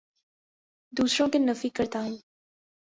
دوسروں کے نفی کرتا ہوں